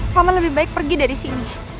kamu lebih baik pergi dari sini